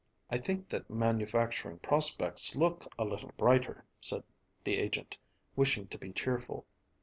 "I think that manufacturing prospects look a little brighter," said the agent, wishing to be cheerful.